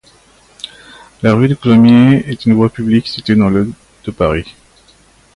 La rue de Coulmiers est une voie publique située dans le de Paris.